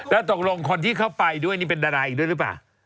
แล้วตกลงคนที่เข้าไปด้วยนี่เป็นดาราอีกด้วยหรือเปล่า